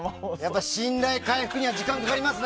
信頼回復には時間かかりますね。